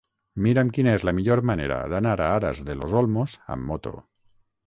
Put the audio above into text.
Mira'm quina és la millor manera d'anar a Aras de los Olmos amb moto.